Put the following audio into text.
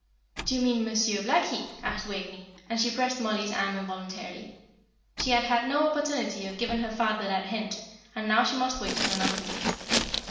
"Do you mean Monsieur Blackie!" asked Waveney; and she pressed Mollie's arm involuntarily. She had had no opportunity of giving her father that hint, and now she must wait for another week.